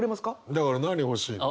だから何欲しいの？